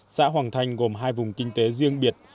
xã hoàng thanh gồm hai vùng kinh tế riêng biệt